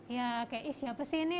ya kayak ish siapa sih ini